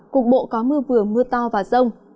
cục bộ có mưa vừa mưa to và rông